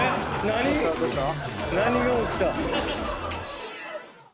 何⁉何が起きた？